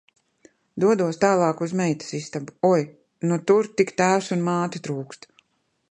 Dodos tālāk uz meitas istabu. Oi, nu tur tik tēvs un māte trūkst.